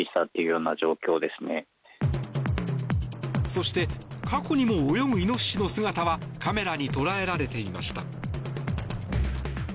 そして、過去にも泳ぐイノシシの姿はカメラに捉えられていました。